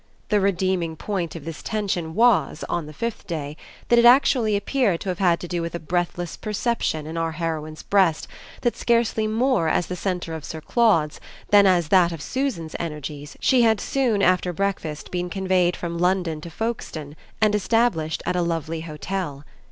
The redeeming point of this tension was, on the fifth day, that it actually appeared to have had to do with a breathless perception in our heroine's breast that scarcely more as the centre of Sir Claude's than as that of Susan's energies she had soon after breakfast been conveyed from London to Folkestone and established at a lovely hotel.